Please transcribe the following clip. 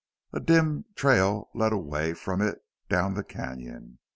A dim trail led away from it down the canon.